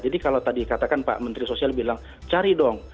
jadi kalau tadi katakan pak menteri sosial bilang cari dong